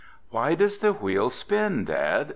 "Why does the Wheel spin, Dad?"